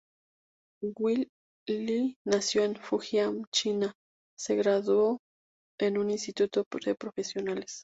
Well Lee, nació en Fujian, China, se graduó en un Instituto de Profesionales.